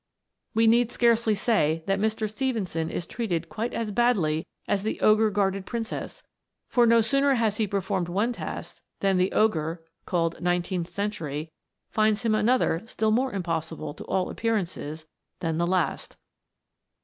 We need scarcely say that Mr. Stephenson is treated quite as badly as the ogre guarded prin cess, for no sooner has he performed one task than the ogre, called " Nineteenth Century," finds him another still more impossible to all appearances than the last.